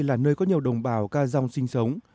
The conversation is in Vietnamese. là nơi có nhiều đồng bào ca dòng sinh sống